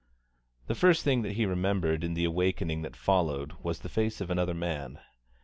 The first thing that he remembered in the awakening that followed was the face of another man.